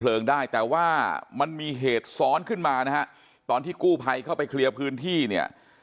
ได้แต่ว่ามันมีเหตุซ้อนขึ้นมานะฮะตอนที่กู้ภัยเข้าไปเคลียร์พื้นที่เนี่ย